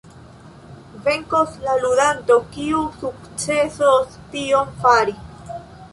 Venkos la ludanto kiu sukcesos tion fari.